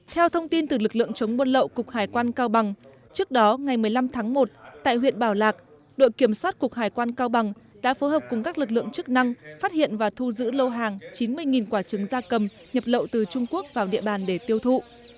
theo thông tin từ lực lượng chống buôn lậu cục hải quan cao bằng trước đó ngày một mươi năm tháng một tại huyện bảo lạc đội kiểm soát cục hải quan cao bằng đã phối hợp cùng các lực lượng chức năng phát hiện và thu giữ lô hàng chín mươi quả trứng da cầm nhập lậu từ trung quốc vào địa bàn để tiêu thụ